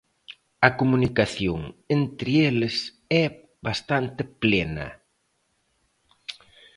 A comunicación entre eles é bastante plena.